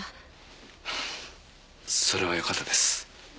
それはよかったです。